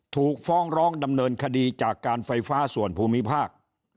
ถูกฟ้องร้องดำเนินคดีจากการไฟฟ้าส่วนภูมิภาค